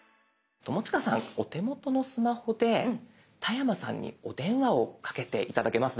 友近さんお手元のスマホで田山さんにお電話をかけて頂けますでしょうか。